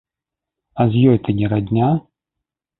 А з ёй ты не радня?